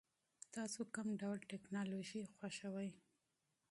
تاسو کوم ډول ټیکنالوژي خوښوئ؟